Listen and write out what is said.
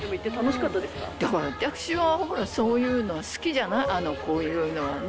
だから、私はそういうのは、好きじゃない、こういうのはね。